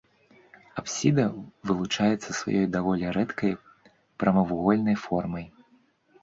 Апсіда вылучаецца сваёй даволі рэдкай прамавугольнай формай.